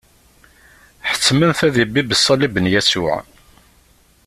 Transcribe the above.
Ḥettmen-t ad ibibb ṣṣalib n Yasuɛ.